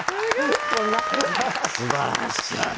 すばらしい。